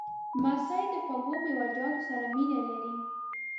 لمسی د خوږو میوهجاتو سره مینه لري.